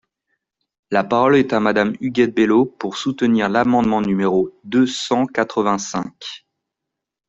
La parole est à Madame Huguette Bello, pour soutenir l’amendement numéro deux cent quatre-vingt-cinq.